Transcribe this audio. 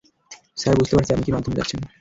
Sir, বুঝতে পারছি আপনি কি মাধ্যমে যাচ্ছেন।